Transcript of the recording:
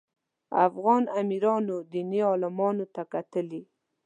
افغان امیرانو دیني عالمانو ته کتلي.